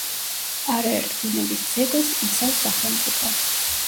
არაერთ ბუნების ძეგლს იცავს სახელმწიფო.